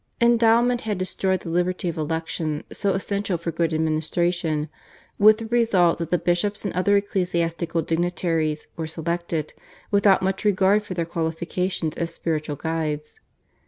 Endowment had destroyed the liberty of election so essential for good administration, with the result that the bishops and other ecclesiastical dignitaries were selected without much regard for their qualifications as spiritual guides.